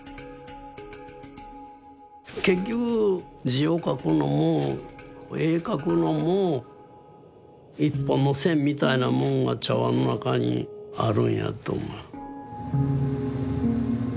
結局字を書くのも絵描くのも１本の線みたいなもんが茶碗の中にあるんやと思う。